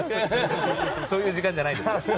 そういう時間じゃないです。